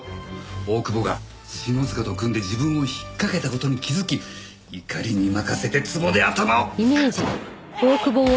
大久保が篠塚と組んで自分を引っかけた事に気づき怒りにまかせて壺で頭を！